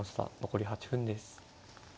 残り８分です。